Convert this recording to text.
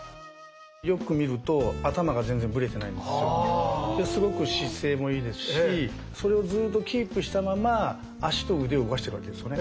よく見るとすごく姿勢もいいですしそれをずっとキープしたまま足と腕を動かしてるわけですよね。